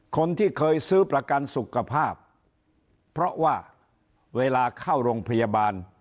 คนที่เคยซื้อประกันสุขภาพเพราะว่าเวลาเข้าโรงพยาบาล